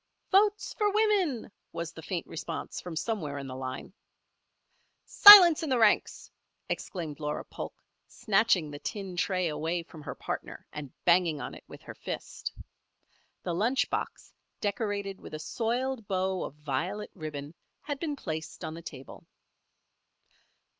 "Votes for women!" was the faint response from somewhere in the line. "Silence in the ranks!" exclaimed Laura Polk, snatching the tin tray away from her partner and banging on it with her fist. The lunch box, decorated with a soiled bow of violet ribbon, had been placed on the table.